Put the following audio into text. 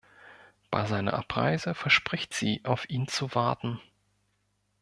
Bei seiner Abreise verspricht sie, auf ihn zu warten.